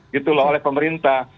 gitu loh oleh pemerintah